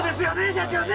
社長ね。